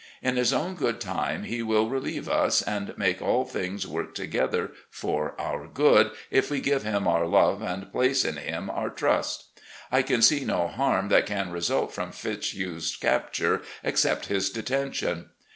In His own good time He will relieve us and make all things work together for our good, if we give Him our love and place in Him otir trust. I can see no harm that can result from Fitzhugh's capture, except his detention.